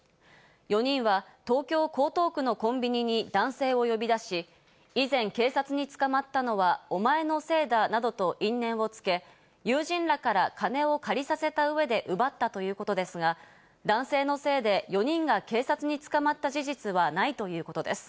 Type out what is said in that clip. ４人は東京・江東区のコンビニに男性を呼び出し、以前、警察に捕まったのはお前のせいだなどと因縁をつけ、友人らから金を借りさせた上で奪ったということですが、男性のせいで４人が警察に捕まった事実はないということです。